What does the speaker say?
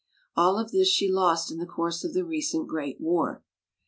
All of this she lost in the course of the recent great war.